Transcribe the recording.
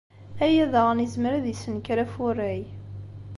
Aya daɣen izmer ad yessenker afurray.